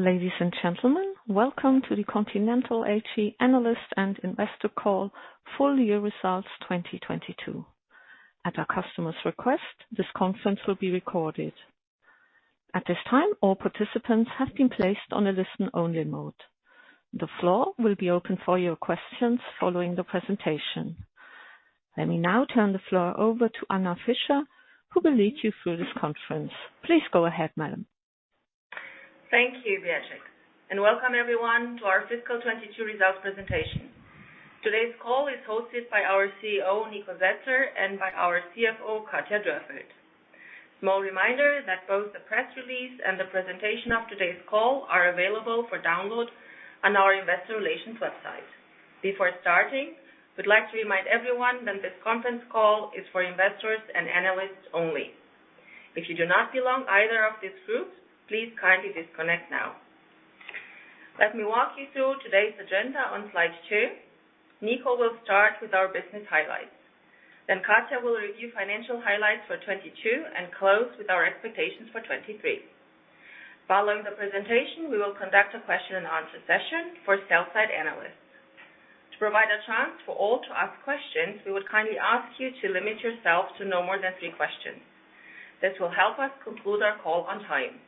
Ladies and gentlemen, welcome to the Continental AG Analyst and Investor Call Full Year Results 2022. At our customer's request, this conference will be recorded. At this time, all participants have been placed on a listen-only mode. The floor will be open for your questions following the presentation. Let me now turn the floor over to Anna Fischer, who will lead you through this conference. Please go ahead, madam. Thank you, Beatrix. Welcome everyone to our fiscal 2022 results presentation. Today's call is hosted by our CEO, Nikolai Setzer, and by our CFO, Katja Dürrfeld. Small reminder that both the press release and the presentation of today's call are available for download on our investor relations website. Before starting, we'd like to remind everyone that this conference call is for investors and analysts only. If you do not belong either of these groups, please kindly disconnect now. Let me walk you through today's agenda on slide two. Niko will start with our business highlights. Katja will review financial highlights for 2022 and close with our expectations for 2023. Following the presentation, we will conduct a question and answer session for sell-side analysts. To provide a chance for all to ask questions, we would kindly ask you to limit yourself to no more than three questions. This will help us conclude our call on time.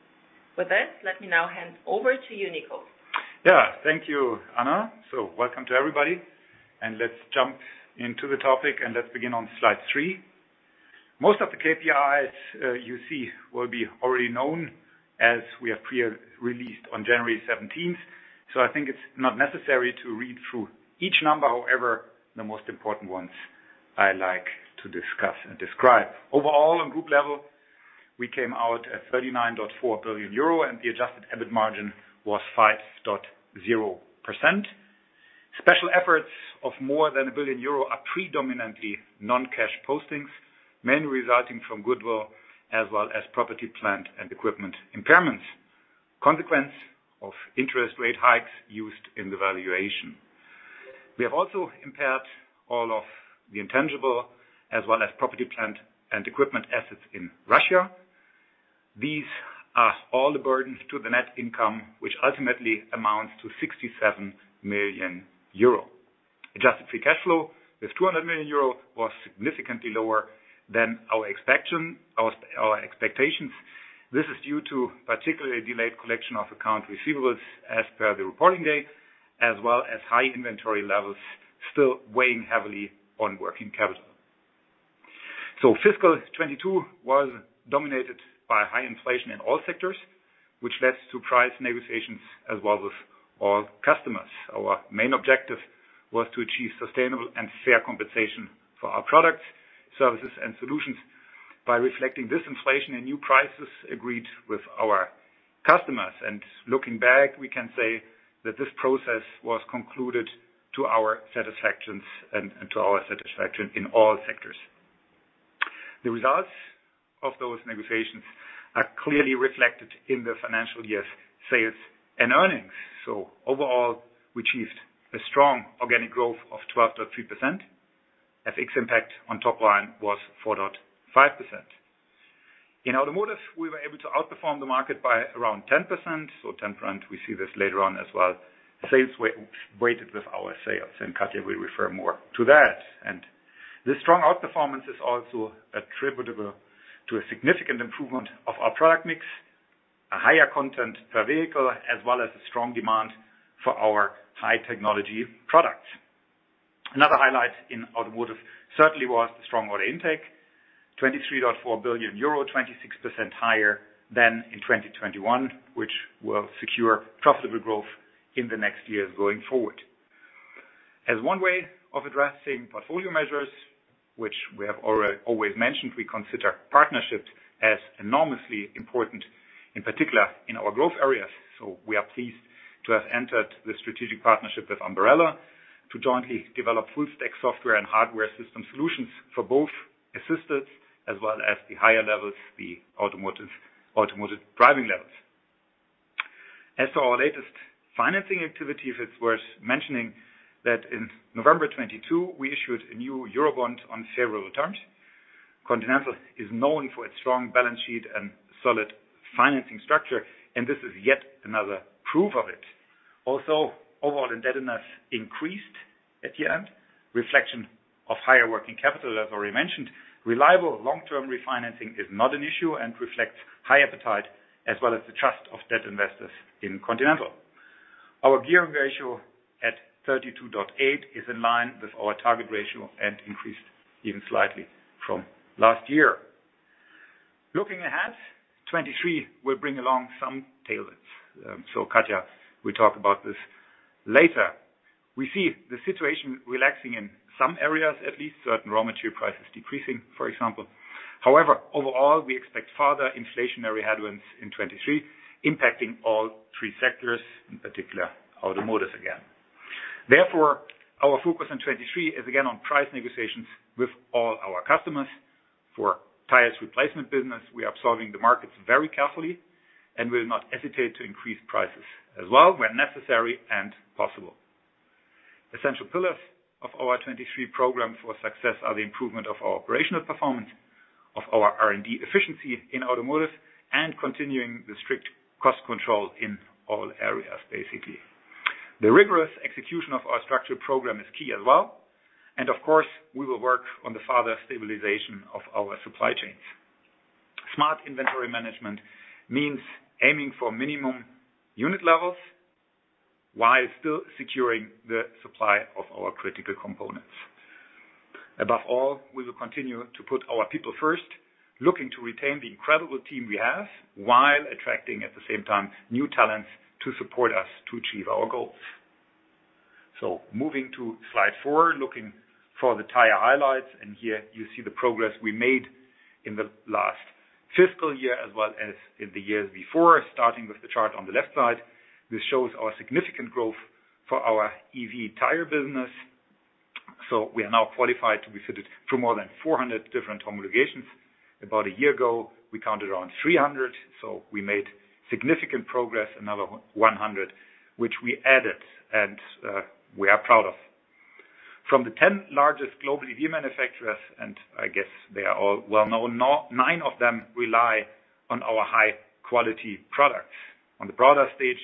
With that, let me now hand over to you, Niko. Thank you, Anna. Welcome to everybody, and let's jump into the topic and let's begin on slide three. Most of the KPIs you see will be already known as we have pre-released on January 17th. I think it's not necessary to read through each number. However, the most important ones I like to discuss and describe. Overall, in group level, we came out at 39.4 billion euro, and the adjusted EBIT margin was 5.0%. Special efforts of more than 1 billion euro are predominantly non-cash postings, mainly resulting from goodwill as well as property, plant, and equipment impairments, consequence of interest rate hikes used in the valuation. We have also impaired all of the intangible as well as property, plant, and equipment assets in Russia. These are all the burdens to the net income, which ultimately amounts to 67 million euro. Adjusted free cash flow with 200 million euro was significantly lower than our expectations. This is due to particularly delayed collection of account receivables as per the reporting date, as well as high inventory levels still weighing heavily on working capital. Fiscal 2022 was dominated by high inflation in all sectors, which led to price negotiations as well with all customers. Our main objective was to achieve sustainable and fair compensation for our products, services, and solutions by reflecting this inflation in new prices agreed with our customers. Looking back, we can say that this process was concluded to our satisfaction in all sectors. The results of those negotiations are clearly reflected in the financial year's sales and earnings. Overall, we achieved a strong organic growth of 12.3%. FX impact on top line was 4.5%. In Automotive, we were able to outperform the market by around 10%. We see this later on as well. Sales weighted with our sales, Katja will refer more to that. This strong outperformance is also attributable to a significant improvement of our product mix, a higher content per vehicle, as well as a strong demand for our high technology products. Another highlight in Automotive certainly was the strong order intake, 23.4 billion euro, 26% higher than in 2021, which will secure profitable growth in the next years going forward. As one way of addressing portfolio measures, which we have always mentioned, we consider partnerships as enormously important, in particular in our growth areas. We are pleased to have entered the strategic partnership with Ambarella to jointly develop full-stack software and hardware system solutions for both assistants as well as the higher levels, the automotive driving levels. As to our latest financing activity, if it's worth mentioning, that in November 2022, we issued a new Eurobond on favorable terms. Continental is known for its strong balance sheet and solid financing structure, and this is yet another proof of it. Overall indebtedness increased at year-end, reflection of higher working capital as already mentioned. Reliable long-term refinancing is not an issue and reflects high appetite as well as the trust of debt investors in Continental. Our gearing ratio at 32.8 is in line with our target ratio and increased even slightly from last year. Looking ahead, 2023 will bring along some tailwinds, Katja will talk about this later. We see the situation relaxing in some areas, at least certain raw material prices decreasing, for example. However, overall, we expect further inflationary headwinds in 2023 impacting all three sectors, in particular Automotive again. Therefore, our focus in 2023 is again on price negotiations with all our customers. For tires replacement business, we are observing the markets very carefully, and we will not hesitate to increase prices as well where necessary and possible. Essential pillars of our 2023 program for success are the improvement of our operational performance of our R&D efficiency in Automotive and continuing the strict cost control in all areas, basically. The rigorous execution of our structured program is key as well, and of course, we will work on the further stabilization of our supply chains. Smart inventory management means aiming for minimum unit levels while still securing the supply of our critical components. Above all, we will continue to put our people first, looking to retain the incredible team we have while attracting, at the same time, new talents to support us to achieve our goals. Moving to Slide four, looking for the tire highlights. Here you see the progress we made in the last fiscal year as well as in the years before. Starting with the chart on the left side, this shows our significant growth for our EV tire business. We are now qualified to be fitted for more than 400 different homologations. About a year ago, we counted around 300, so we made significant progress. Another 100 which we added, and we are proud of. From the 10 largest global EV manufacturers, and I guess they are all well-known, nine of them rely on our high-quality products. On the broader stage,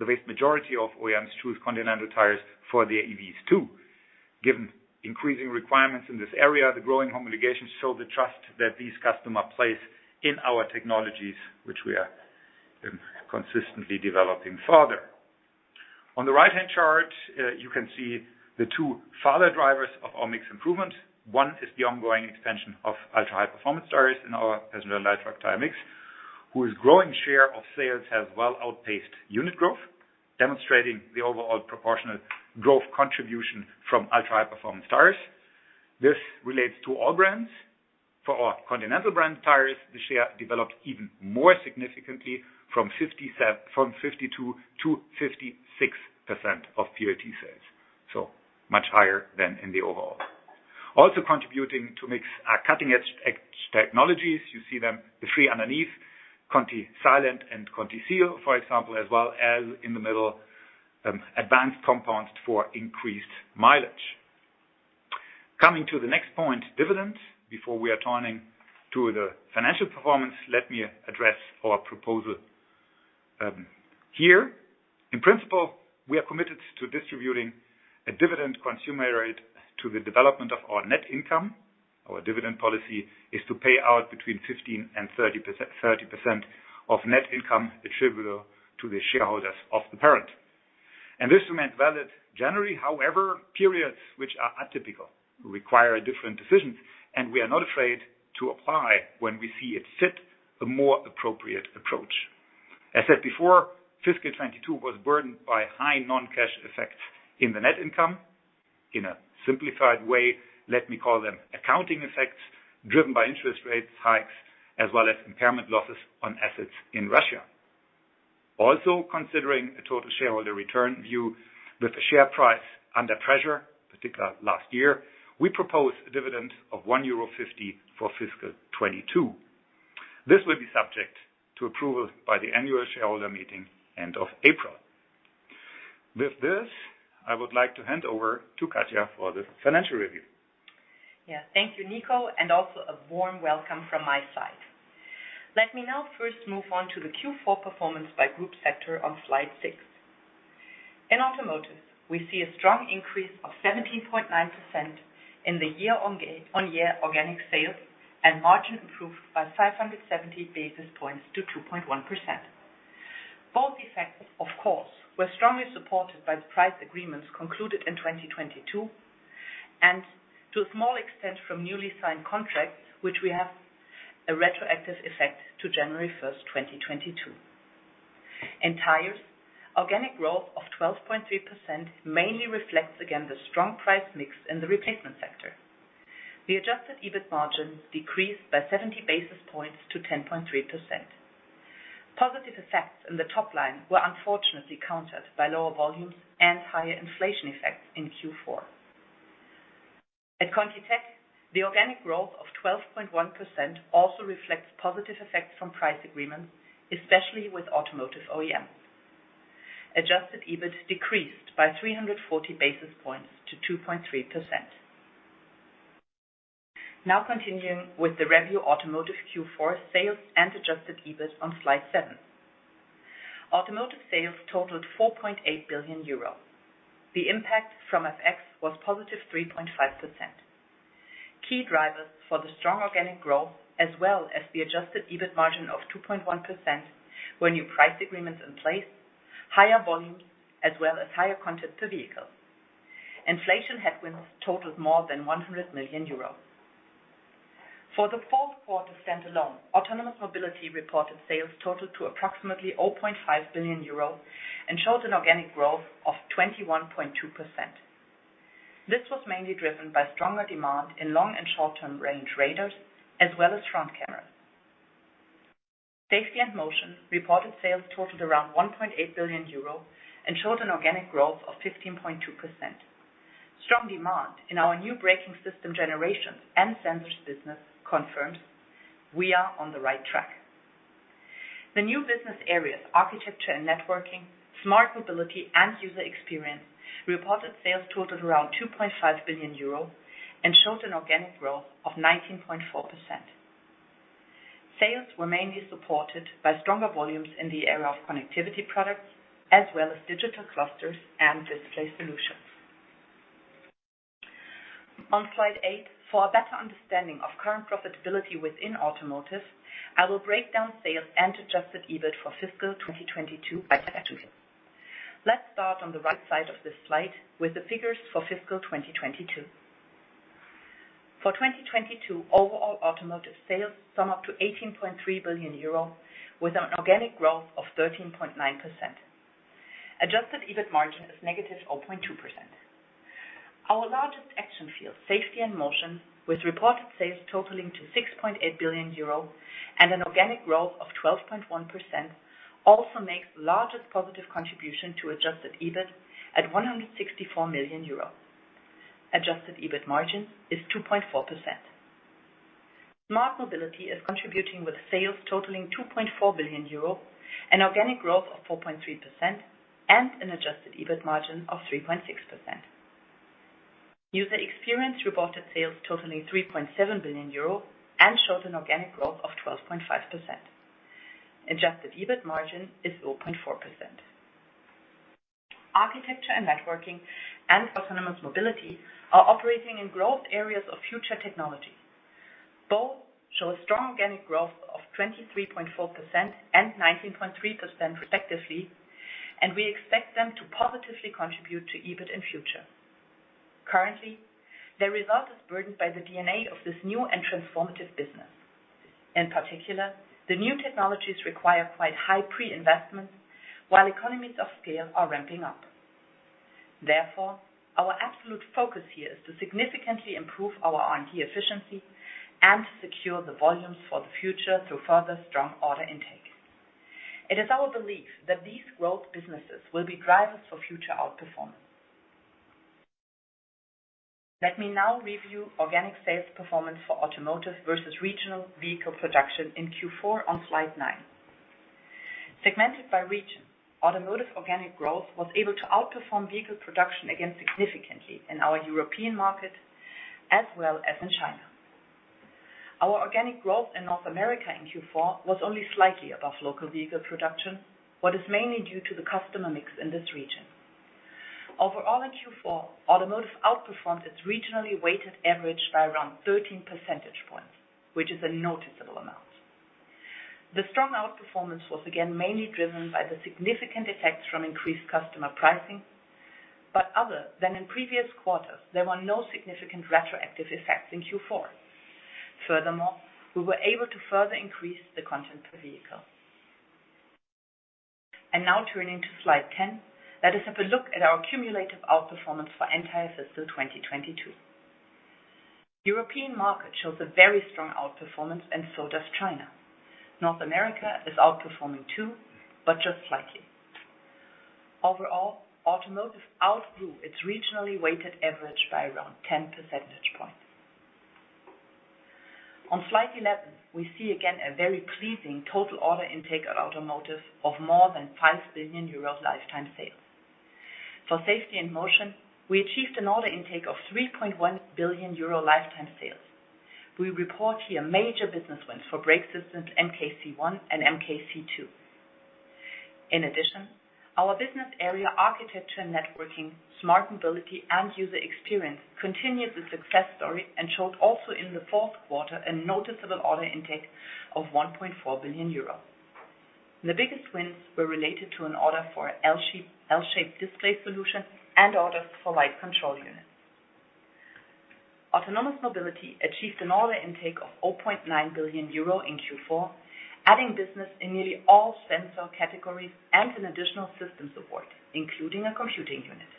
the vast majority of OEMs choose Continental tires for their EVs too. Given increasing requirements in this area, the growing homologations show the trust that these customers place in our technologies, which we are consistently developing further. On the right-hand chart, you can see the two further drivers of our mix improvement. One is the ongoing expansion of ultra-high performance tires in our passenger light truck tire mix, whose growing share of sales has well outpaced unit growth, demonstrating the overall proportional growth contribution from ultra-high performance tires. This relates to all brands. For our Continental Brand tires, the share developed even more significantly from 52% to 56% of PAT sales, so much higher than in the overall. Contributing to mix are cutting-edge technologies. You see them, the three underneath, ContiSilent and ContiSeal, for example, as well as in the middle, advanced compounds for increased mileage. Coming to the next point, dividend. Before we are turning to the financial performance, let me address our proposal, here. In principle, we are committed to distributing a dividend commensurate to the development of our net income. Our dividend policy is to pay out between 15% and 30%, 30% of net income attributable to the shareholders of the parent. This remains valid generally. However, periods which are atypical require a different decision, and we are not afraid to apply when we see it fit a more appropriate approach. As said before, fiscal 2022 was burdened by high non-cash effects in the net income. In a simplified way, let me call them accounting effects driven by interest rates hikes as well as impairment losses on assets in Russia. Also, considering a total shareholder return view with the share price under pressure, particularly last year, we propose a dividend of 1.50 euro for fiscal 2022. This will be subject to approval by the annual shareholder meeting end of April. With this, I would like to hand over to Katja for the financial review. Yeah. Thank you, Nico. Also a warm welcome from my side. Let me now first move on to the Q4 performance by group sector on slide six. In Automotive, we see a strong increase of 17.9% in the year-on-year organic sales and margin improved by 570 basis points to 2.1%. Both effects, of course, were strongly supported by the price agreements concluded in 2022 and to a small extent from newly signed contracts which we have a retroactive effect to January 1st, 2022. In Tires, organic growth of 12.3% mainly reflects again the strong price mix in the replacement sector. The adjusted EBIT margin decreased by 70 basis points to 10.3%. Positive effects in the top line were unfortunately countered by lower volumes and higher inflation effects in Q4. At ContiTech, the organic growth of 12.1% also reflects positive effects from price agreements, especially with automotive OEM. Adjusted EBIT decreased by 340 basis points to 2.3%. Continuing with the review Automotive Q4 sales and adjusted EBIT on slide seven. Automotive sales totaled 4.8 billion euro. The impact from FX was positive 3.5%. Key drivers for the strong organic growth as well as the adjusted EBIT margin of 2.1% were new price agreements in place, higher volume as well as higher content per vehicle. Inflation headwinds totaled more than 100 million euros. For the Q4 standalone, Autonomous Mobility reported sales totaled to approximately 0.5 billion euros and showed an organic growth of 21.2%. This was mainly driven by stronger demand in long and short-term range radars as well as front cameras. Safety and Motion reported sales totaled around 1.8 billion euro and showed an organic growth of 15.2%. Strong demand in our new braking system generations and sensors business confirmed we are on the right track. The new business areas, Architecture and Networking, Smart Mobility and User Experience, reported sales totaled around 2.5 billion euro and showed an organic growth of 19.4%. Sales were mainly supported by stronger volumes in the area of connectivity products as well as digital clusters and display solutions. On slide eight, for a better understanding of current profitability within Automotive, I will break down sales and adjusted EBIT for fiscal 2022 by section. Let's start on the right side of this slide with the figures for fiscal 2022. For 2022, overall Automotive sales sum up to 18.3 billion euros, with an organic growth of 13.9%. Adjusted EBIT margin is -0.2%. Our largest action field, Safety and Motion, with reported sales totaling to 6.8 billion euro and an organic growth of 12.1%, also makes the largest positive contribution to adjusted EBIT at 164 million euro. Adjusted EBIT margin is 2.4%. Smart Mobility is contributing with sales totaling 2.4 billion euro, an organic growth of 4.3%, and an adjusted EBIT margin of 3.6%. User Experience reported sales totaling 3.7 billion euro and shows an organic growth of 12.5%. Adjusted EBIT margin is 0.4%. Architecture and Networking and Autonomous Mobility are operating in growth areas of future technology. Both show a strong organic growth of 23.4% and 19.3% respectively, and we expect them to positively contribute to EBIT in future. Currently, their result is burdened by the DNA of this new and transformative business. In particular, the new technologies require quite high pre-investments, while economies of scale are ramping up. Therefore, our absolute focus here is to significantly improve our R&D efficiency and secure the volumes for the future through further strong order intake. It is our belief that these growth businesses will be drivers for future outperformance. Let me now review organic sales performance for Automotive versus regional vehicle production in Q4 on slide nine. Segmented by region, Automotive organic growth was able to outperform vehicle production again significantly in our European market as well as in China. Our organic growth in North America in Q4 was only slightly above local vehicle production, what is mainly due to the customer mix in this region. Overall, in Q4, Automotive outperformed its regionally weighted average by around 13 percentage points, which is a noticeable amount. The strong outperformance was again mainly driven by the significant effects from increased customer pricing. Other than in previous quarters, there were no significant retroactive effects in Q4. Furthermore, we were able to further increase the content per vehicle. Now turning to slide 10, let us have a look at our cumulative outperformance for entire fiscal 2022. European market shows a very strong outperformance, and so does China. North America is outperforming, too, but just slightly. Overall, Automotive outgrew its regionally weighted average by around 10 percentage points. On slide 11, we see again a very pleasing total order intake at Automotive of more than 5 billion euro lifetime sales. For Safety and Motion, we achieved an order intake of 3.1 billion euro lifetime sales. We report here major business wins for brake systems MK C1 and MK C2. Our business area Architecture & Networking, Smart Mobility and User Experience continued the success story and showed also in the Q4 a noticeable order intake of 1.4 billion euro. The biggest wins were related to an order for L-shaped display solution and orders for light control units. Autonomous Mobility achieved an order intake of 0.9 billion euro in Q4, adding business in nearly all sensor categories and an additional system support, including a computing unit.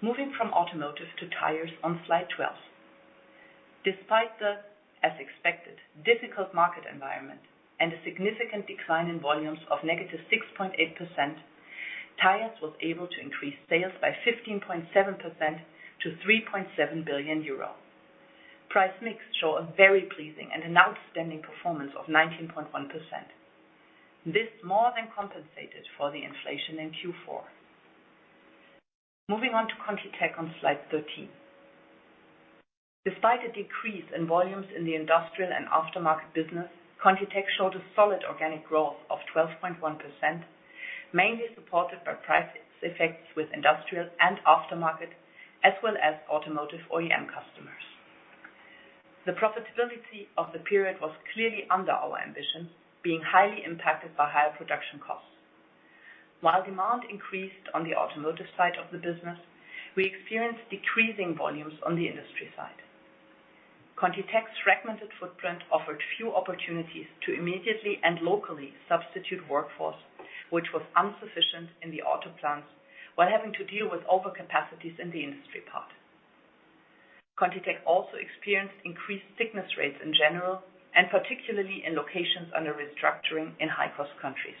Moving from Automotive to Tires on slide 12. Despite the, as expected, difficult market environment and a significant decline in volumes of -6.8%, Tires was able to increase sales by 15.7% to 3.7 billion euro. Price mix show a very pleasing and an outstanding performance of 19.1%. This more than compensated for the inflation in Q4. Moving on to ContiTech on slide 13. Despite a decrease in volumes in the industrial and aftermarket business, ContiTech showed a solid organic growth of 12.1%, mainly supported by price effects with industrial and aftermarket, as well as Automotive OEM customers. The profitability of the period was clearly under our ambitions, being highly impacted by higher production costs. While demand increased on the Automotive side of the business, we experienced decreasing volumes on the Industry side. ContiTech's fragmented footprint offered few opportunities to immediately and locally substitute workforce, which was insufficient in the auto plants while having to deal with overcapacities in the Industry part. ContiTech also experienced increased sickness rates in general, and particularly in locations under restructuring in high-cost countries.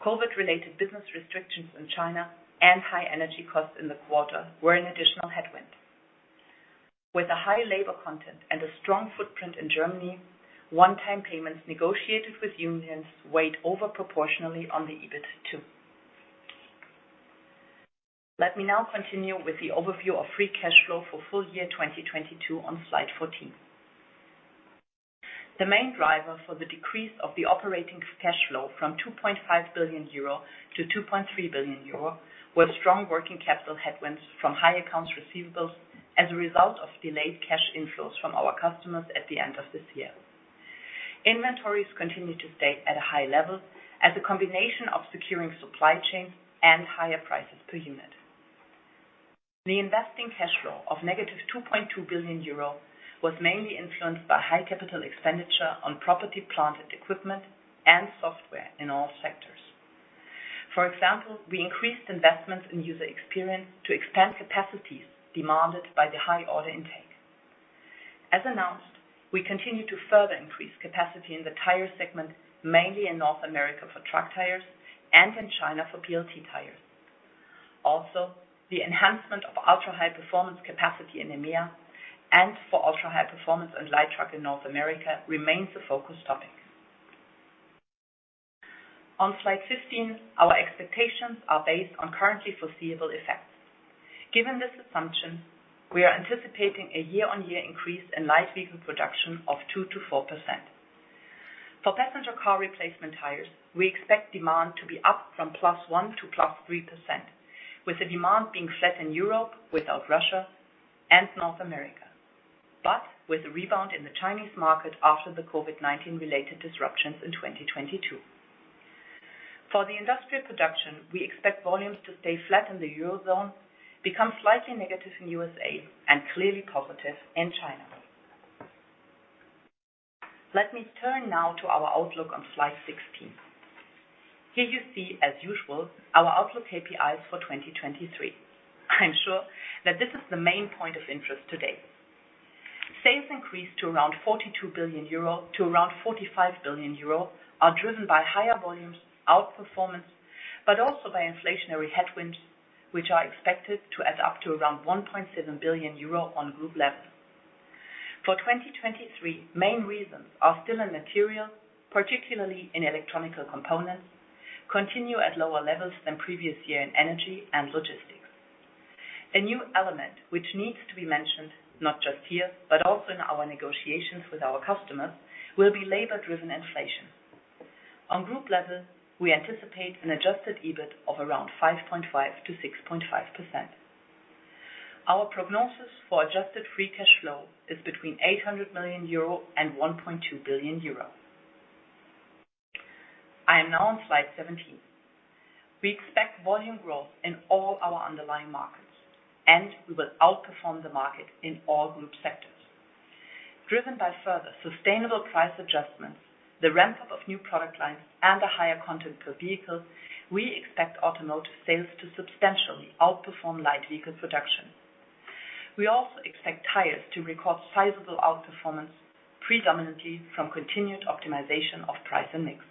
COVID-related business restrictions in China and high energy costs in the quarter were an additional headwind. With a high labor content and a strong footprint in Germany, one-time payments negotiated with unions weighed over proportionally on the EBIT too. Let me now continue with the overview of free cash flow for full year 2022 on slide 14. The main driver for the decrease of the operating cash flow from 2.5 billion euro to 2.3 billion euro, were strong working capital headwinds from high accounts receivables as a result of delayed cash inflows from our customers at the end of this year. Inventories continue to stay at a high level as a combination of securing supply chain and higher prices per unit. The investing cash flow of negative 2.2 billion euro was mainly influenced by high capital expenditure on property, plant, and equipment, and software in all sectors. For example, we increased investments in User Experience to expand capacities demanded by the high order intake. As announced, we continue to further increase capacity in the tire segment, mainly in North America for truck tires and in China for PLT tires. Also, the enhancement of ultra-high performance capacity in EMEA and for ultra-high performance and light truck in North America remains a focus topic. On slide 15, our expectations are based on currently foreseeable effects. Given this assumption, we are anticipating a year-on-year increase in light vehicle production of 2%-4%. For passenger car replacement tires, we expect demand to be up from +1% to +3%, with the demand being set in Europe without Russia and North America, with a rebound in the Chinese market after the COVID-19 related disruptions in 2022. For the industrial production, we expect volumes to stay flat in the eurozone, become slightly negative in USA and clearly positive in China. Let me turn now to our outlook on slide 16. Here you see, as usual, our outlook KPIs for 2023. I'm sure that this is the main point of interest today. Sales increase to around 42 billion-45 billion euro are driven by higher volumes, outperformance, but also by inflationary headwinds, which are expected to add up to around 1.7 billion euro on group level. For 2023, main reasons are still in material, particularly in electronic components, continue at lower levels than previous year in energy and logistics. A new element which needs to be mentioned, not just here, but also in our negotiations with our customers, will be labor-driven inflation. On group level, we anticipate an adjusted EBIT of around 5.5%-6.5%. Our prognosis for adjusted free cash flow is between 800 million euro and 1.2 billion euro. I am now on slide 17. We expect volume growth in all our underlying markets, and we will outperform the market in all group sectors. Driven by further sustainable price adjustments, the ramp-up of new product lines and a higher content per vehicle, we expect Automotive sales to substantially outperform light vehicle production. We also expect Tires to record sizable outperformance, predominantly from continued optimization of price and mix.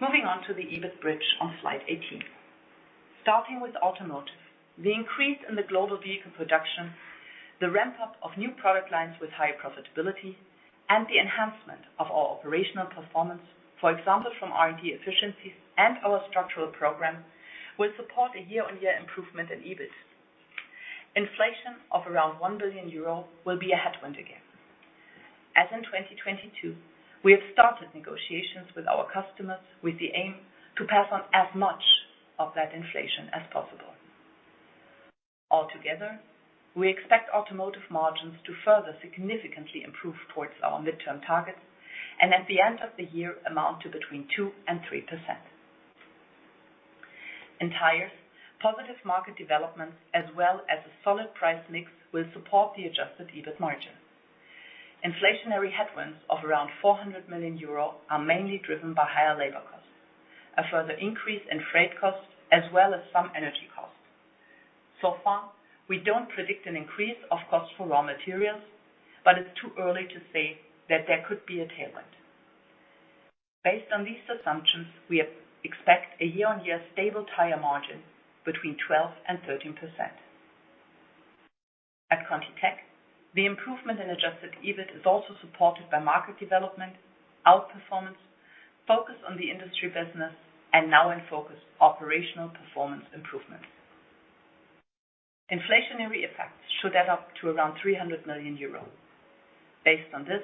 Moving on to the EBIT bridge on slide 18. Starting with Automotive, the increase in the global vehicle production, the ramp-up of new product lines with higher profitability, and the enhancement of our operational performance, for example, from R&D efficiencies and our structural program, will support a year-on-year improvement in EBIT. Inflation of around 1 billion euro will be a headwind again. As in 2022, we have started negotiations with our customers with the aim to pass on as much of that inflation as possible. Altogether, we expect Automotive margins to further significantly improve towards our midterm targets and at the end of the year amount to between 2% and 3%. In Tires, positive market developments as well as a solid price mix will support the adjusted EBIT margin. Inflationary headwinds of around 400 million euro are mainly driven by higher labor costs, a further increase in freight costs, as well as some energy costs. We don't predict an increase of cost for raw materials, but it's too early to say that there could be a tailwind. Based on these assumptions, we expect a year-on-year stable tire margin between 12% and 13%. At ContiTech, the improvement in adjusted EBIT is also supported by market development, outperformance, focus on the industry business and now in focus, operational performance improvement. Inflationary effects should add up to around 300 million euros. Based on this,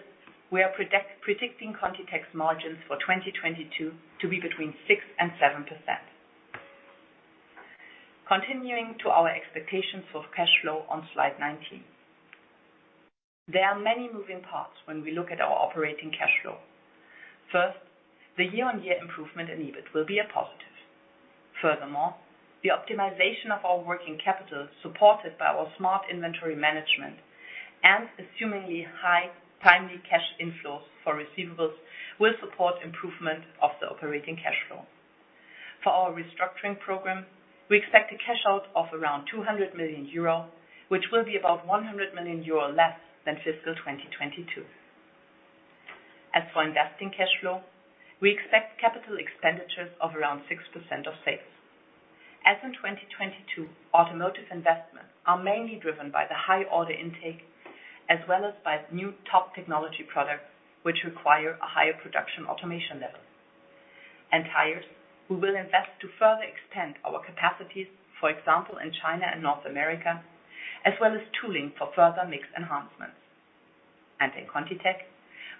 we are predicting ContiTech's margins for 2022 to be between 6% and 7%. Continuing to our expectations of cash flow on slide 19. There are many moving parts when we look at our operating cash flow. The year-on-year improvement in EBIT will be a positive. The optimization of our working capital, supported by our smart inventory management and assuming high timely cash inflows for receivables, will support improvement of the operating cash flow. For our restructuring program, we expect a cash out of around 200 million euro, which will be about 100 million euro less than fiscal 2022. Investing cash flow, we expect capital expenditures of around 6% of sales. As in 2022, automotive investments are mainly driven by the high order intake, as well as by new top technology products which require a higher production automation level. Tires, we will invest to further extend our capacities, for example, in China and North America, as well as tooling for further mix enhancements. In ContiTech,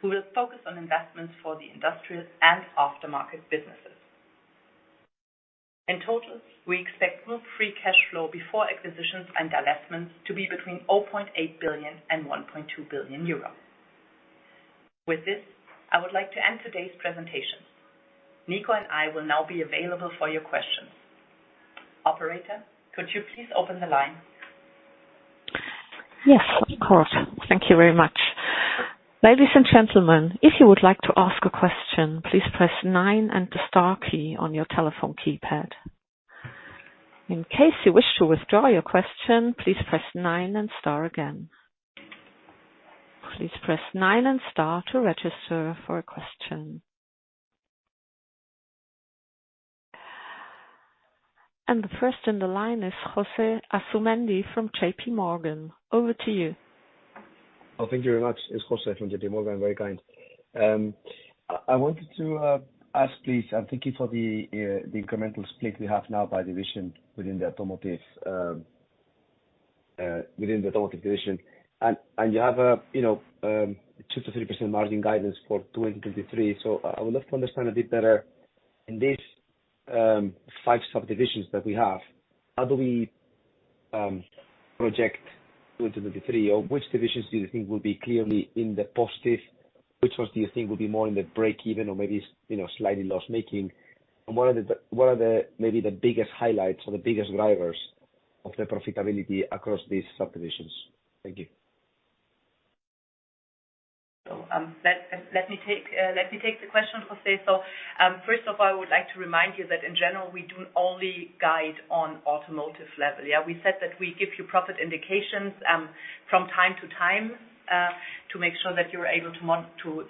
we will focus on investments for the industrial and aftermarket businesses. In total, we expect group free cash flow before acquisitions and divestments to be between 0.8 billion and 1.2 billion euro. With this, I would like to end today's presentation. Niko and I will now be available for your questions. Operator, could you please open the line? Yes, of course. Thank you very much. Ladies and gentlemen, if you would like to ask a question, please press nine and the star key on your telephone keypad. In case you wish to withdraw your question, please press nine and star again. Please press nine and star to register for a question. The first in the line is Jose Asumendi from JPMorgan. Over to you. Thank you very much. It's Jose from JPMorgan. Very kind. I wanted to ask, please, and thank you for the incremental split we have now by division within the automotive within the automotive division. You have a, you know, 2%-3% margin guidance for 2023. I would love to understand a bit better in these five subdivisions that we have, how do we project 2023? Which divisions do you think will be clearly in the positive? Which ones do you think will be more in the breakeven or maybe you know, slightly loss-making? What are the, maybe the biggest highlights or the biggest drivers of the profitability across these subdivisions? Thank you. Let me take the question, Jose. First of all, I would like to remind you that in general, we do only guide on automotive level, yeah. We said that we give you profit indications from time to time to make sure that you're able to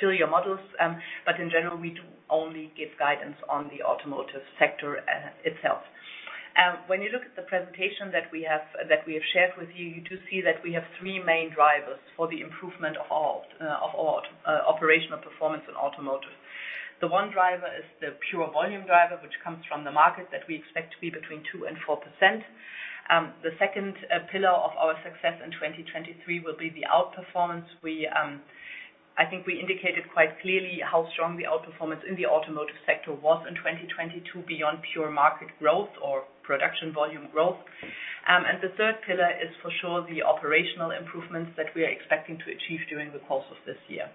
fill your models. In general, we do only give guidance on the automotive sector itself. When you look at the presentation that we have, that we have shared with you do see that we have three main drivers for the improvement of operational performance in automotive. The one driver is the pure volume driver, which comes from the market that we expect to be between 2% and 4%. The second pillar of our success in 2023 will be the outperformance. We, I think we indicated quite clearly how strong the outperformance in the automotive sector was in 2022 beyond pure market growth or production volume growth. The third pillar is for sure the operational improvements that we are expecting to achieve during the course of this year.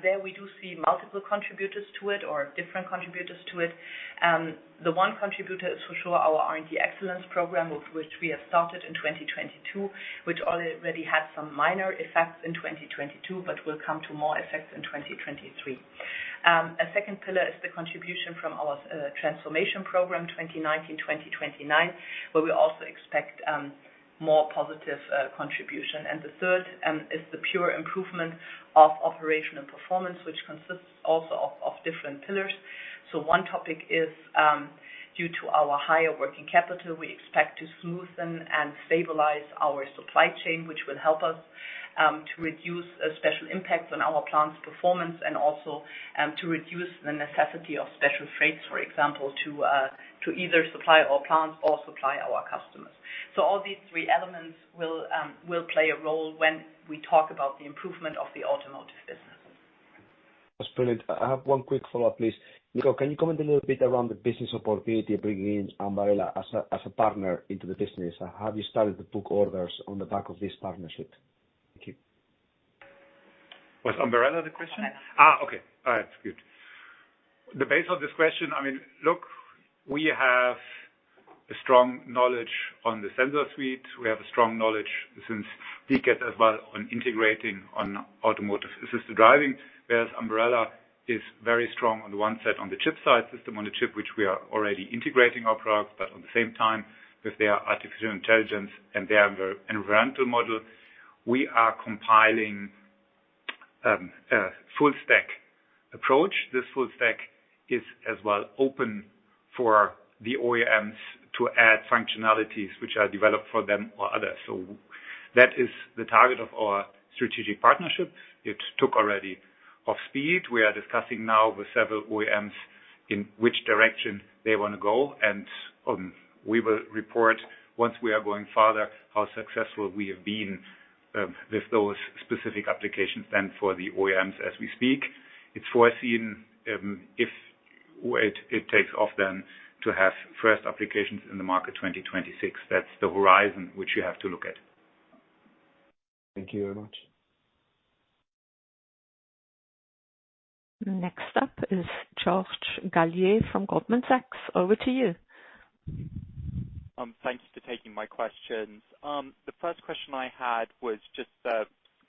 There we do see multiple contributors to it or different contributors to it. The one contributor is for sure our R&D Excellence Program, of which we have started in 2022, which already had some minor effects in 2022, but will come to more effects in 2023. A second pillar is the contribution from our Transformation 2019–2029, where we also expect more positive contribution. The third is the pure improvement of operational performance, which consists also of different pillars. One topic is due to our higher working capital, we expect to smoothen and stabilize our supply chain, which will help us to reduce special impacts on our plant's performance and also to reduce the necessity of special freights, for example, to either supply our plants or supply our customers. All these three elements will play a role when we talk about the improvement of the automotive business. That's brilliant. I have one quick follow-up, please. Nico, can you comment a little bit around the business opportunity of bringing in Ambarella as a partner into the business? Have you started to book orders on the back of this partnership? Thank you. Was Ambarella the question? Ambarella. Okay. All right. Good. The base of this question, I mean, look, we have a strong knowledge on the sensor suite. We have a strong knowledge since decades as well on integrating on automotive assisted driving, whereas Ambarella is very strong on the one side, on the chip side, system on a chip, which we are already integrating our products, but at the same time, with their artificial intelligence and their environmental model, we are compiling a full stack approach. This full stack is as well open for the OEMs to add functionalities which are developed for them or others. That is the target of our strategic partnership. It took already off speed. We are discussing now with several OEMs in which direction they wanna go, and we will report once we are going further, how successful we have been with those specific applications than for the OEMs as we speak. It's foreseen, if it takes off then to have first applications in the market 2026. That's the horizon which you have to look at. Thank you very much. Next up is George Galliers-Pratt from Goldman Sachs. Over to you. Thanks for taking my questions. The first question I had was just a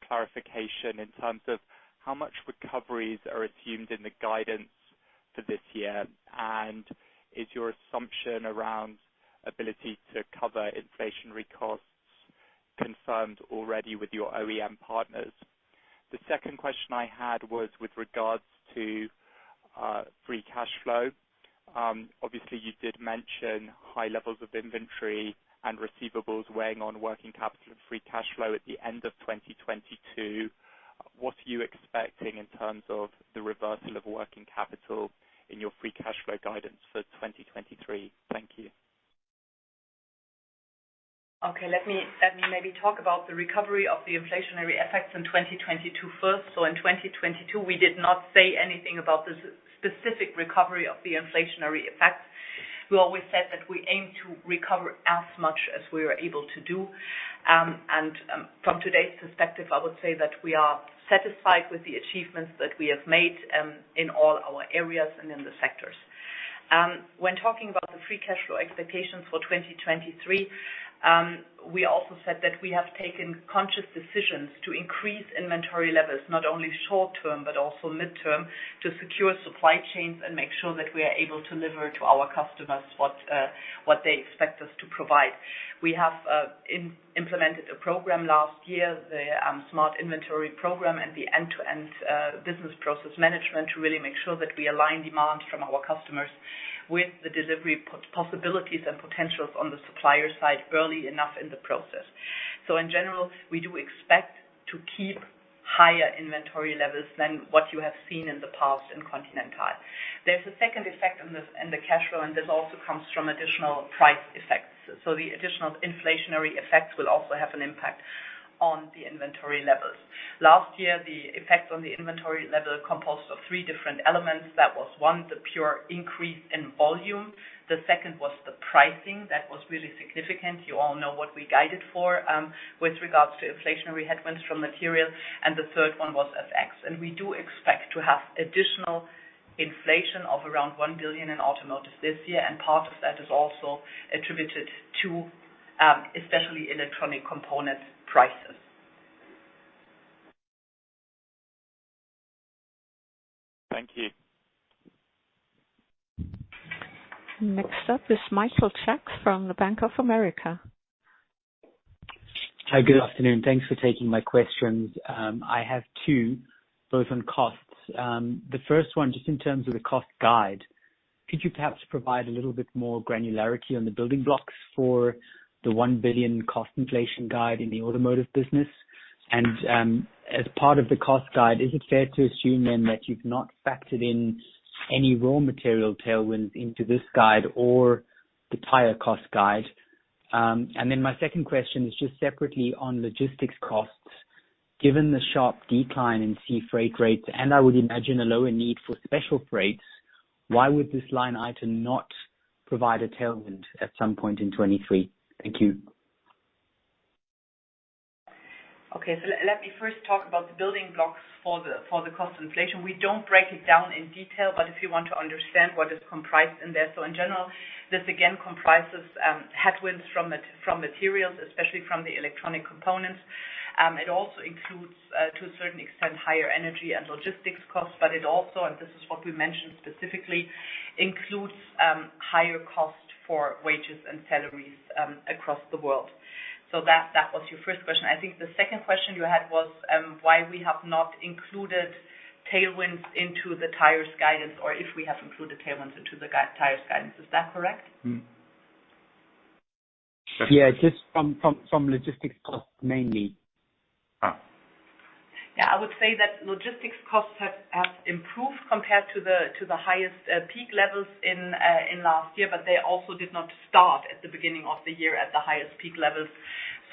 clarification in terms of how much recoveries are assumed in the guidance for this year. Is your assumption around ability to cover inflationary costs? Confirmed already with your OEM partners. The second question I had was with regards to free cash flow. Obviously you did mention high levels of inventory and receivables weighing on working capital and free cash flow at the end of 2022. What are you expecting in terms of the reversal of working capital in your free cash flow guidance for 2023? Thank you. Okay. Let me maybe talk about the recovery of the inflationary effects in 2022 first. In 2022, we did not say anything about the specific recovery of the inflationary effect. We always said that we aim to recover as much as we were able to do. And from today's perspective, I would say that we are satisfied with the achievements that we have made in all our areas and in the sectors. When talking about the free cash flow expectations for 2023, we also said that we have taken conscious decisions to increase inventory levels, not only short-term, but also mid-term, to secure supply chains and make sure that we are able to deliver to our customers what they expect us to provide. We have implemented a program last year, the smart inventory program and the end-to-end business process management, to really make sure that we align demand from our customers with the delivery possibilities and potentials on the supplier side early enough in the process. In general, we do expect to keep higher inventory levels than what you have seen in the past in Continental. There is a second effect on this and the cash flow, and this also comes from additional price effects. The additional inflationary effects will also have an impact on the inventory levels. Last year, the effects on the inventory level composed of three different elements. That was one, the pure increase in volume. The second was the pricing. That was really significant. You all know what we guided for with regards to inflationary headwinds from materials, and the third one was FX. We do expect to have additional inflation of around 1 billion in automotive this year, and part of that is also attributed to especially electronic component prices. Thank you. Next up is Michael Cluck from the Bank of America. Hi, good afternoon. Thanks for taking my questions. I have two, both on costs. The first one, just in terms of the cost guide, could you perhaps provide a little bit more granularity on the building blocks for the 1 billion cost inflation guide in the automotive business? As part of the cost guide, is it fair to assume then that you've not factored in any raw material tailwinds into this guide or the tire cost guide? My second question is just separately on logistics costs. Given the sharp decline in sea freight rates, and I would imagine a lower need for special freights, why would this line item not provide a tailwind at some point in 2023? Thank you. Okay. Let me first talk about the building blocks for the cost inflation. We don't break it down in detail, but if you want to understand what is comprised in there. In general, this again comprises headwinds from materials, especially from the electronic components. It also includes to a certain extent, higher energy and logistics costs. It also, and this is what we mentioned specifically, includes higher costs for wages and salaries across the world. That was your first question. I think the second question you had was why we have not included tailwinds into the tires guidance or if we have included tailwinds into the tires guidance. Is that correct? Mm-hmm. Yeah, just from logistics costs mainly. Yeah. I would say that logistics costs have improved compared to the highest peak levels in last year, but they also did not start at the beginning of the year at the highest peak levels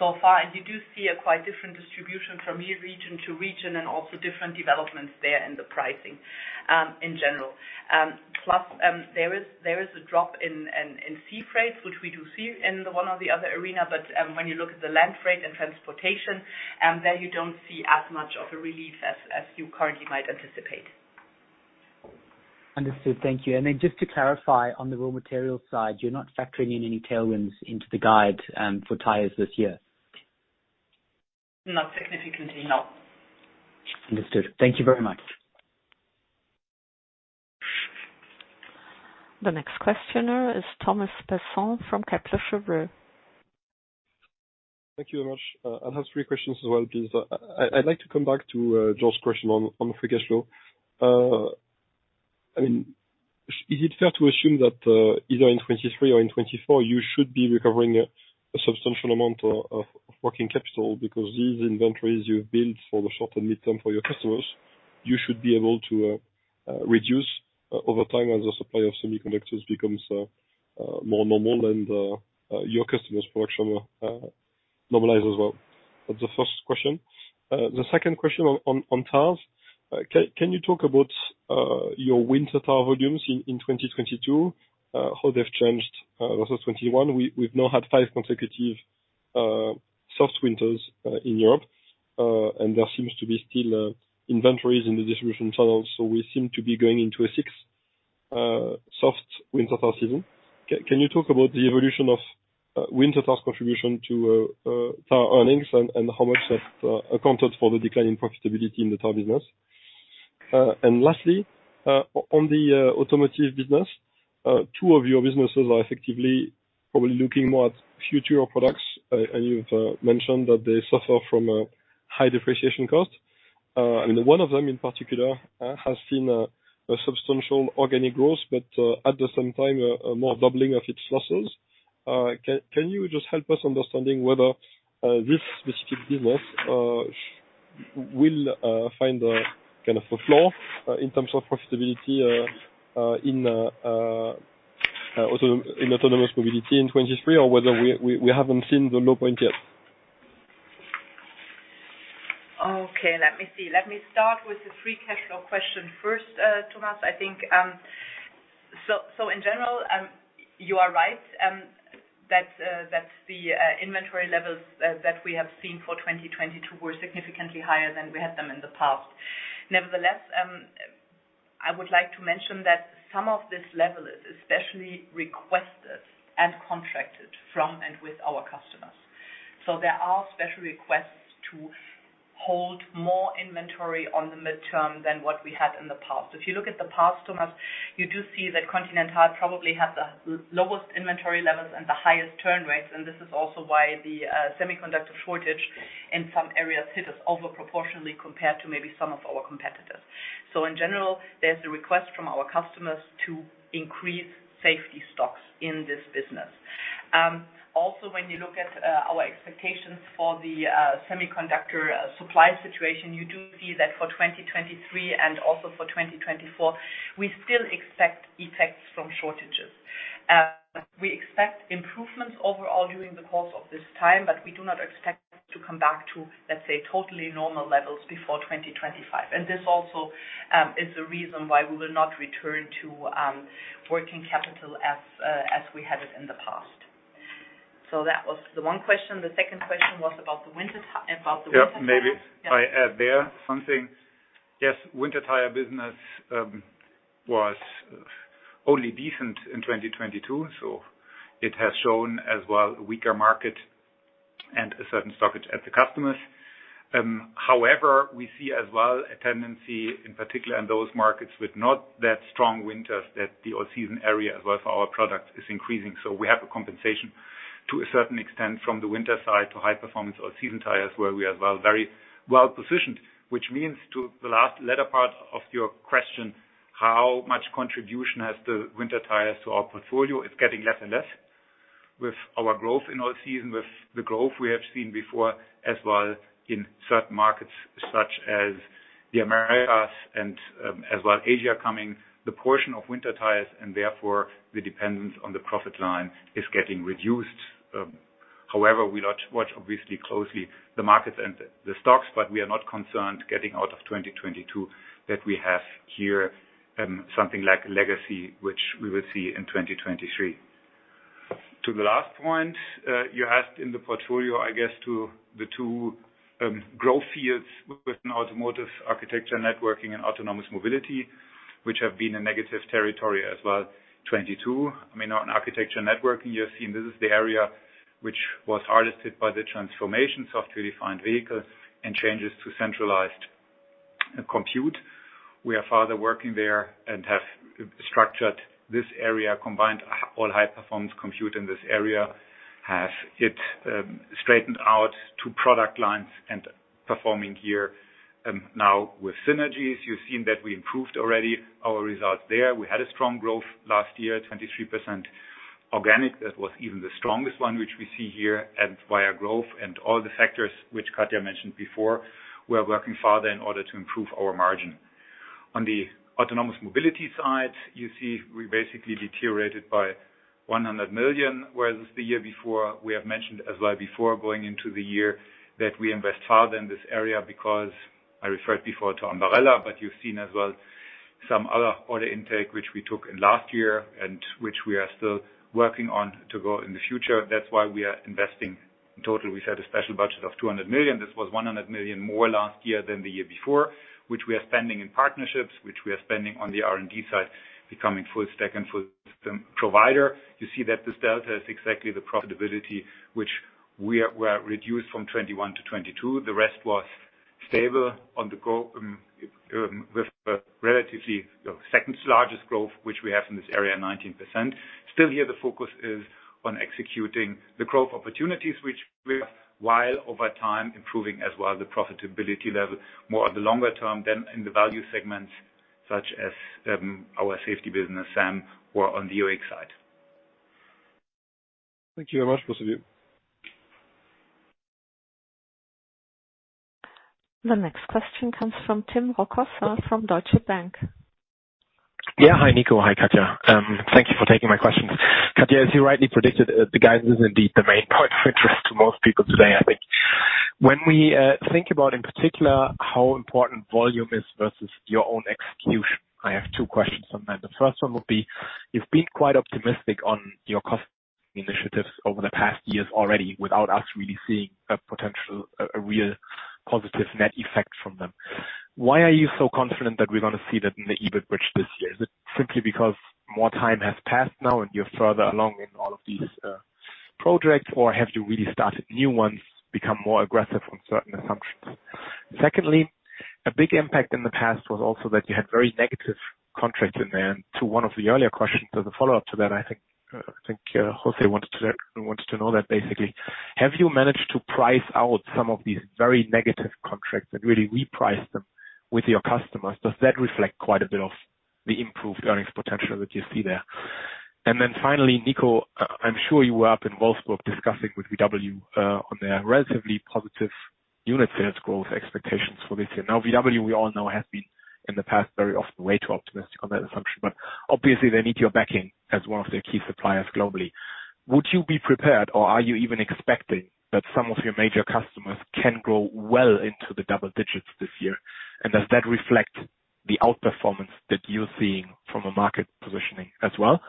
so far. You do see a quite different distribution from here region to region and also different developments there in the pricing in general. Plus, there is a drop in sea freights, which we do see in the one or the other arena. When you look at the land freight and transportation, there you don't see as much of a relief as you currently might anticipate. Understood. Thank you. Then just to clarify on the raw material side, you're not factoring in any tailwinds into the guide for tires this year? Not significantly, no. Understood. Thank you very much. The next questioner is Thomas Besson from Kepler Cheuvreux. Thank you very much. I'll have three questions as well, please. I'd like to come back to Joe's question on the free cash flow. I mean, is it fair to assume that either in 2023 or in 2024, you should be recovering a substantial amount of working capital because these inventories you've built for the short and mid-term for your customers, you should be able to reduce over time as the supply of semiconductors becomes more normal and your customers production normalize as well? That's the first question. The second question on tires. Can you talk about your winter tire volumes in 2022, how they've changed versus 2021? We've now had five consecutive soft winters in Europe, and there seems to be still inventories in the distribution channels, so we seem to be going into a sixth soft winter tire season. Can you talk about the evolution of winter tires contribution to tire earnings and how much that accounted for the decline in profitability in the tire business? Lastly, on the automotive business, two of your businesses are effectively probably looking more at future products. You've mentioned that they suffer from high depreciation costs. One of them in particular has seen a substantial organic growth, but at the same time, a more doubling of its losses. Can you just help us understanding whether this specific business will find a, kind of a floor, in terms of profitability, in Autonomous Mobility in 2023, or whether we haven't seen the low point yet? Okay, let me see. Let me start with the free cash flow question first, Thomas. I think, in general, you are right that the inventory levels that we have seen for 2022 were significantly higher than we had them in the past. Nevertheless, I would like to mention that some of this level is especially requested and contracted from, and with our customers. There are special requests to hold more inventory on the midterm than what we had in the past. If you look at the past, Thomas, you do see that Continental probably had the lowest inventory levels and the highest turn rates, and this is also why the semiconductor shortage in some areas hit us over proportionally compared to maybe some of our competitors. In general, there's a request from our customers to increase safety stocks in this business. Also, when you look at our expectations for the semiconductor supply situation, you do see that for 2023 and also for 2024, we still expect effects from shortages. We expect improvements overall during the course of this time, but we do not expect to come back to, let's say, totally normal levels before 2025. This also is the reason why we will not return to working capital as we had it in the past. That was the one question. The second question was about the winter tires. Yeah. Maybe I add there something. Yes, winter tire business was only decent in 2022, so it has shown as well weaker market and a certain shortage at the customers. However, we see as well a tendency in particular in those markets with not that strong winters, that the all-season area as well for our product is increasing. We have a compensation to a certain extent from the winter side to high performance all-season tires, where we are well, very well-positioned. Which means to the last latter part of your question, how much contribution has the winter tires to our portfolio? It's getting less and less. With our growth in all-season, with the growth we have seen before, as well in certain markets such as the Americas and as well Asia coming, the portion of winter tires, and therefore the dependence on the profit line is getting reduced. However, we watch obviously closely the markets and the stocks, but we are not concerned getting out of 2022 that we have here, something like legacy, which we will see in 2023. To the last point, you asked in the portfolio, I guess to the two growth fields within automotive Architecture and Networking and Autonomous Mobility, which have been a negative territory as well, 2022. I mean, on Architecture and Networking, you have seen this is the area which was hardest hit by the transformation software-defined vehicle and changes to centralized compute. We are further working there and have structured this area, combined all high-performance compute in this area, have it straightened out to product lines and performing here. With synergies, you've seen that we improved already our results there. We had a strong growth last year, 23% organic. That was even the strongest one, which we see here. Via growth and all the factors which Katja mentioned before, we are working further in order to improve our margin. On the Autonomous Mobility side, you see we basically deteriorated by 100 million, whereas the year before we have mentioned as well before going into the year that we invest further in this area because I referred before to Ambarella, but you've seen as well some other order intake which we took in last year and which we are still working on to grow in the future. That's why we are investing. In total, we set a special budget of 200 million. This was 100 million more last year than the year before, which we are spending in partnerships, which we are spending on the R&D side, becoming full stack and full system provider. You see that this delta is exactly the profitability which we were reduced from 2021 to 2022. The rest was stable on the grow, you know, with a relatively second largest growth which we have in this area, 19%. Still here, the focus is on executing the growth opportunities which we have, while over time improving as well the profitability level more at the longer term than in the value segments such as our safety business, SAM, or on the UX side. Thank you very much, both of you. The next question comes from Tim Rokossa from Deutsche Bank. Yeah. Hi, Nico. Hi, Katja. Thank you for taking my questions. Katja, as you rightly predicted, the guidance is indeed the main point of interest to most people today, I think. When we think about in particular how important volume is versus your own execution, I have two questions on that. The first one would be, you've been quite optimistic on your cost initiatives over the past years already, without us really seeing a potential, a real positive net effect from them. Why are you so confident that we're gonna see that in the EBIT bridge this year? Is it simply because more time has passed now and you're further along in all of these? Projects or have you really started new ones, become more aggressive on certain assumptions? Secondly, a big impact in the past was also that you had very negative contracts in there. To one of the earlier questions as a follow-up to that, I think, Jose wanted to know that basically. Have you managed to price out some of these very negative contracts and really reprice them with your customers? Does that reflect quite a bit of the improved earnings potential that you see there? Finally, Nico, I'm sure you were up in Wolfsburg discussing with VW, on their relatively positive unit sales growth expectations for this year. Now, VW, we all know, has been in the past very often way too optimistic on that assumption. Obviously they need your backing as one of their key suppliers globally. Would you be prepared, or are you even expecting that some of your major customers can grow well into the double digits this year? Does that reflect the outperformance that you're seeing from a market positioning as well?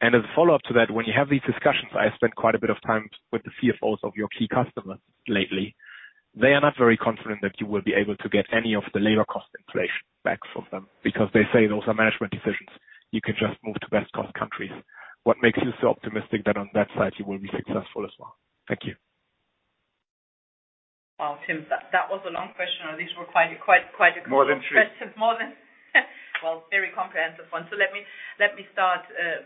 As a follow-up to that, when you have these discussions, I spent quite a bit of time with the CFOs of your key customers lately. They are not very confident that you will be able to get any of the labor cost inflation back from them because they say those are management decisions. You can just move to best cost countries. What makes you so optimistic that on that side you will be successful as well? Thank you. Well, Tim, that was a long question, or these were quite a couple- More than three. -of questions. More than... Well, very comprehensive one. Let me, let me start,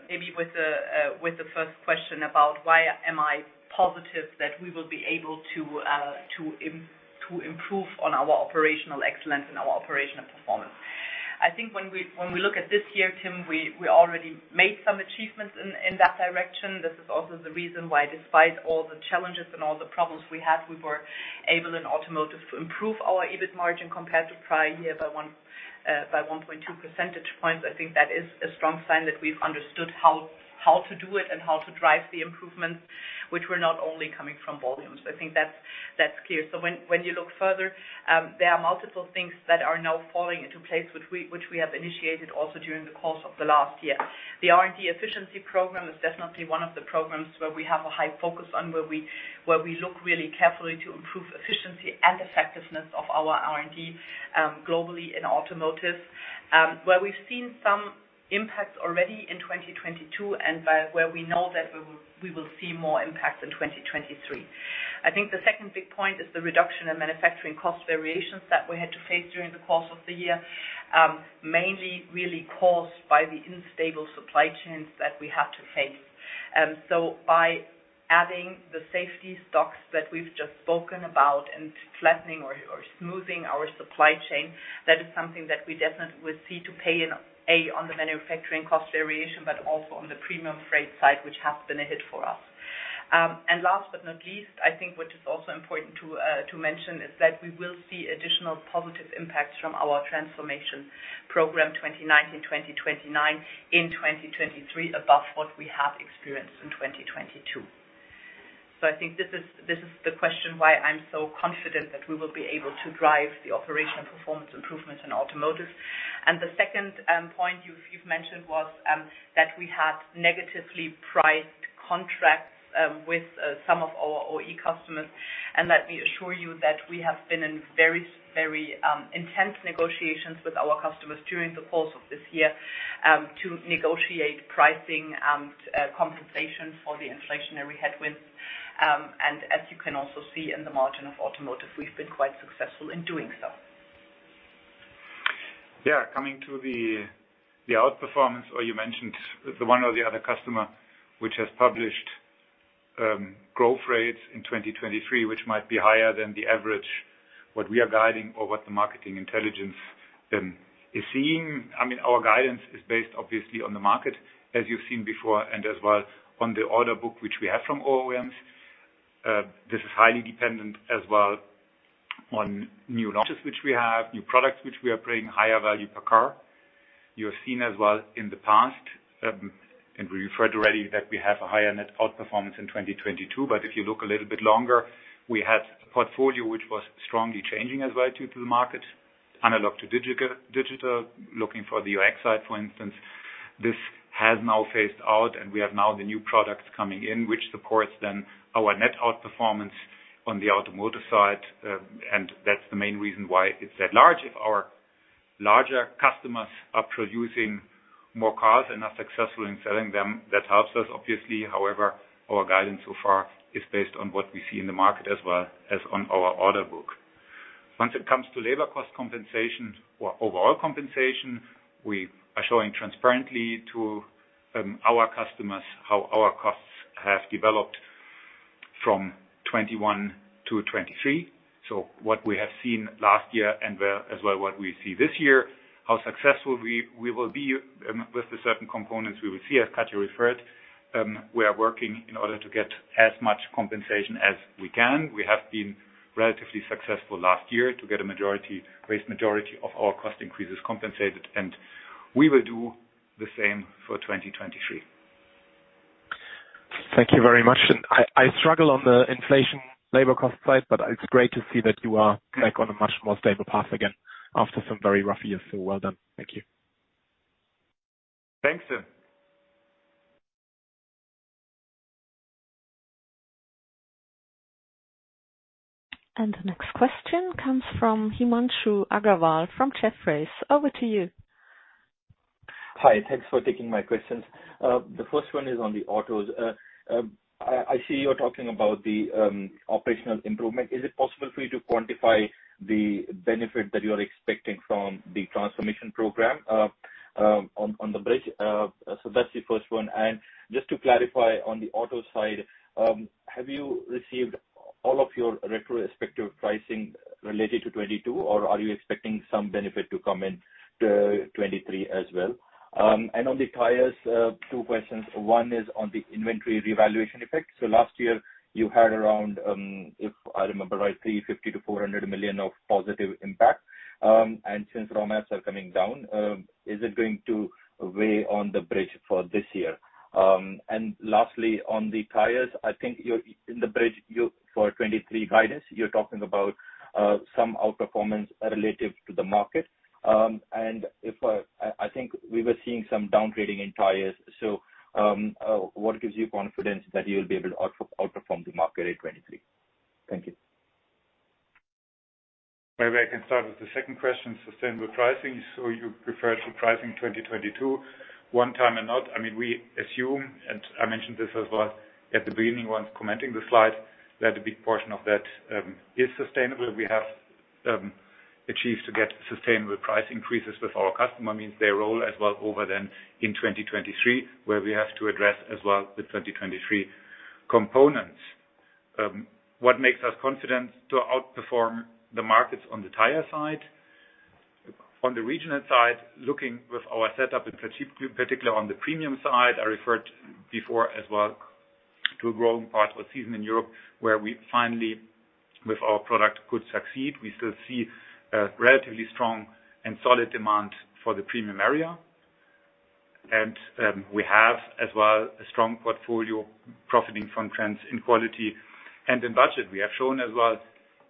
maybe with the first question about why am I positive that we will be able to improve on our operational excellence and our operational performance. I think when we, when we look at this year, Tim, we already made some achievements in that direction. This is also the reason why despite all the challenges and all the problems we had, we were able in Automotive to improve our EBIT margin compared to prior year by 1.2 percentage points. I think that is a strong sign that we've understood how to do it and how to drive the improvements, which were not only coming from volumes. I think that's clear. When you look further, there are multiple things that are now falling into place which we have initiated also during the course of the last year. The R&D efficiency program is definitely one of the programs where we have a high focus on where we look really carefully to improve efficiency and effectiveness of our R&D globally in automotive, where we've seen some impacts already in 2022 and where we know that we will see more impacts in 2023. I think the second big point is the reduction in manufacturing cost variations that we had to face during the course of the year, mainly really caused by the instable supply chains that we had to face. By adding the safety stocks that we've just spoken about and flattening or smoothing our supply chain, that is something that we definitely will see to pay in, A, on the manufacturing cost variation, but also on the premium freight side, which has been a hit for us. Last but not least, I think what is also important to mention is that we will see additional positive impacts from our Transformation 2019–2029 in 2023 above what we have experienced in 2022. I think this is the question why I'm so confident that we will be able to drive the operational performance improvements in Automotive. The second point you mentioned was that we had negatively priced contracts with some of our OEM customers. Let me assure you that we have been in very, very intense negotiations with our customers during the course of this year to negotiate pricing and compensation for the inflationary headwinds. As you can also see in the margin of Automotive, we've been quite successful in doing so. Yeah. Coming to the outperformance, or you mentioned the one or the other customer which has published, growth rates in 2023, which might be higher than the average, what we are guiding or what the marketing intelligence is seeing. I mean, our guidance is based obviously on the market as you've seen before and as well on the order book which we have from OEMs. This is highly dependent as well on new launches which we have, new products which we are bringing higher value per car. You have seen as well in the past, and we referred already that we have a higher net outperformance in 2022. If you look a little bit longer, we had a portfolio which was strongly changing as well due to the market, analog to digital, looking for the UX side, for instance. This has now phased out. We have now the new products coming in which supports then our net outperformance on the automotive side. That's the main reason why it's that large. If our larger customers are producing more cars and are successful in selling them, that helps us, obviously. However, our guidance so far is based on what we see in the market as well as on our order book. Once it comes to labor cost compensation or overall compensation, we are showing transparently to our customers how our costs have developed from 2021 to 2023. What we have seen last year and as well what we see this year, how successful we will be with the certain components we will see. As Katja referred, we are working in order to get as much compensation as we can. We have been relatively successful last year to get a vast majority of our cost increases compensated. We will do the same for 2023. Thank you very much. I struggle on the inflation labor cost side, but it's great to see that you are back on a much more stable path again after some very rough years. Well done. Thank you. Thanks, Tim. The next question comes from Himanshu Agarwal from Jefferies. Over to you. Hi. Thanks for taking my questions. The first one is on the autos. I see you're talking about the operational improvement. Is it possible for you to quantify the benefit that you are expecting from the Transformation program on the bridge? That's the first one. Just to clarify on the auto side, have you received all of your retrospective pricing related to 2022, or are you expecting some benefit to come in to 2023 as well? On the tires, two questions. One is on the inventory revaluation effect. Last year you had around, if I remember right, 350 million-400 million of positive impact. Since raw mats are coming down, is it going to weigh on the bridge for this year? Lastly, on the tires, I think in the bridge, you for 2023 guidance, you're talking about some outperformance relative to the market. If, I think we were seeing some downgrading in tires. What gives you confidence that you'll be able to outperform the market in 2023? Thank you. Maybe I can start with the second question, sustainable pricing. You referred to pricing 2022, 1 time and not. I mean, we assume, and I mentioned this as well at the beginning when commenting the slide, that a big portion of that is sustainable. We have achieved to get sustainable price increases with our customer, means they roll as well over then in 2023, where we have to address as well the 2023 components. What makes us confident to outperform the markets on the tire side? On the regional side, looking with our setup in particular on the premium side, I referred before as well to a growing part of the season in Europe where we finally, with our product, could succeed. We still see a relatively strong and solid demand for the premium area. We have as well a strong portfolio profiting from trends in quality and in budget. We have shown as well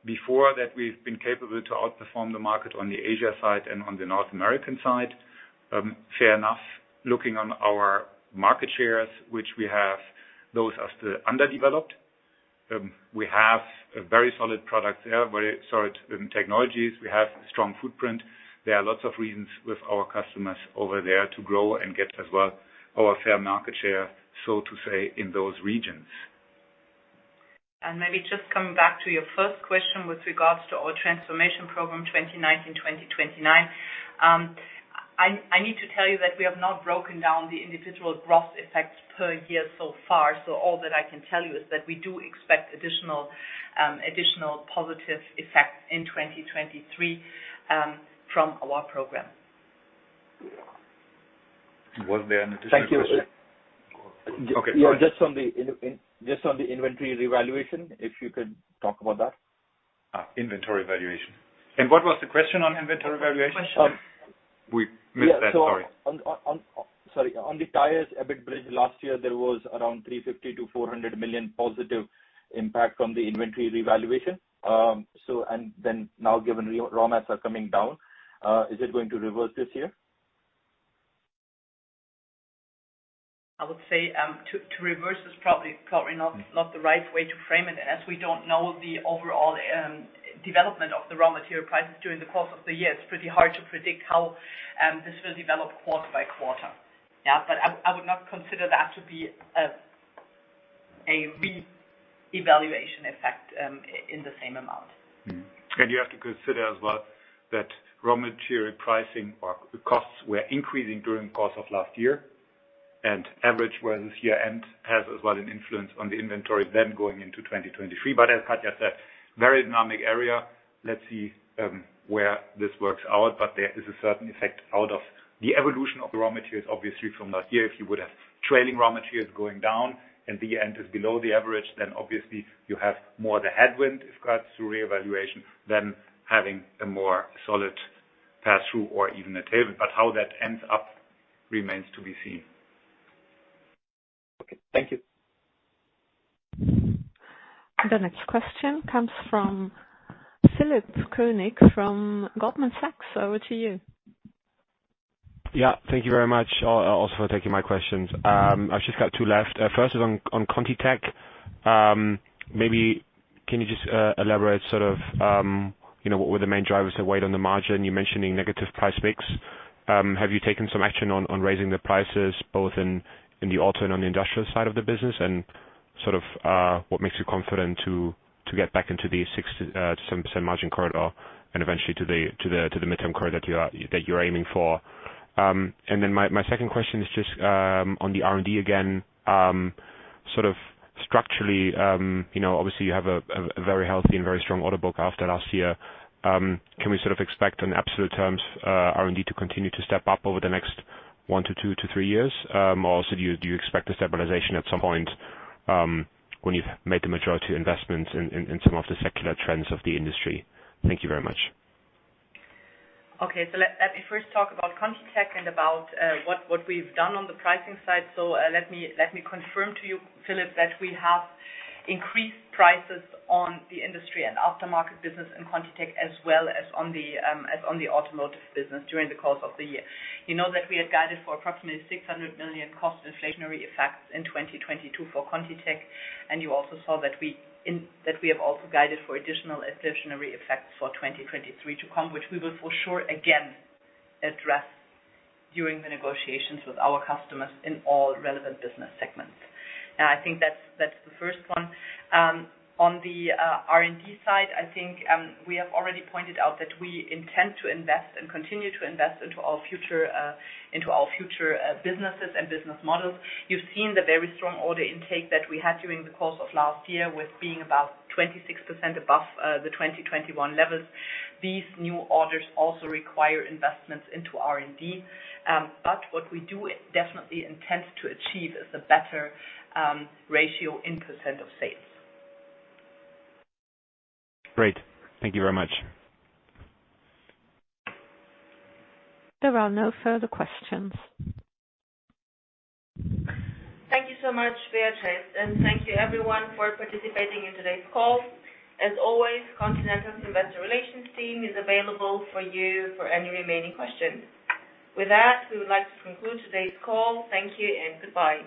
before that we've been capable to outperform the market on the Asia side and on the North American side. Fair enough, looking on our market shares, which we have, those are still underdeveloped. We have a very solid product there, very solid technologies. We have strong footprint. There are lots of reasons with our customers over there to grow and get as well our fair market share, so to say, in those regions. Maybe just coming back to your first question with regards to our Transformation program, 2019-2029. I need to tell you that we have not broken down the individual gross effects per year so far. All that I can tell you is that we do expect additional positive effects in 2023 from our program. Was there an additional question? Thank you. Okay. Yeah, just on the inventory revaluation, if you could talk about that. Inventory valuation. What was the question on inventory valuation? Um- We missed that, sorry. Sorry. On the tires, EBIT bridge last year, there was around 350-400 million positive impact from the inventory revaluation. Now given raw mats are coming down, is it going to reverse this year? I would say, to reverse is probably not the right way to frame it, as we don't know the overall development of the raw material prices during the course of the year. It's pretty hard to predict how this will develop quarter-by-quarter. Yeah. I would not consider that to be a revaluation effect in the same amount. You have to consider as well that raw material pricing or the costs were increasing during the course of last year, and average where this year end has as well an influence on the inventory then going into 2023. As Katja said, very dynamic area. Let's see where this works out, but there is a certain effect out of the evolution of the raw materials, obviously, from last year. If you would have trailing raw materials going down and the end is below the average, then obviously you have more the headwind regards to revaluation than having a more solid pass-through or even a tailwind. How that ends up remains to be seen. Okay. Thank you. The next question comes from Philipp Koenig from Goldman Sachs. Over to you. Yeah. Thank you very much, also for taking my questions. I've just got two left. First is on ContiTech. Maybe can you just elaborate sort of, you know, what were the main drivers of weight on the margin? You're mentioning negative price mix. Have you taken some action on raising the prices both in the auto and on the industrial side of the business? Sort of, what makes you confident to get back into the 6%-7% margin corridor and eventually to the midterm corridor that you are, that you're aiming for. My second question is just on the R&D again. Sort of structurally, you know, obviously you have a very healthy and very strong order book after last year. Can we sort of expect in absolute terms, R&D to continue to step up over the next one to two to three years? So do you expect a stabilization at some point, when you've made the majority of investments in some of the secular trends of the industry? Thank you very much. Okay. Let me first talk about ContiTech and about what we've done on the pricing side. Let me confirm to you, Philipp, that we have increased prices on the industry and aftermarket business in ContiTech as well as on the automotive business during the course of the year. You know that we had guided for approximately 600 million cost inflationary effects in 2022 for ContiTech, and you also saw that we that we have also guided for additional inflationary effects for 2023 to come, which we will for sure again address during the negotiations with our customers in all relevant business segments. I think that's the first one. On the R&D side, I think, we have already pointed out that we intend to invest and continue to invest into our future businesses and business models. You've seen the very strong order intake that we had during the course of last year with being about 26% above the 2021 levels. These new orders also require investments into R&D. What we do definitely intend to achieve is a better ratio in % of sales. Great. Thank you very much. There are no further questions. Thank you so much, Beatrice, and thank you everyone for participating in today's call. As always, Continental's investor relations team is available for you for any remaining questions. With that, we would like to conclude today's call. Thank you and goodbye.